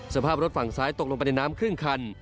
สภาพรถฝั่งซ้ายตกลงไปในน้ำครึ่งคัน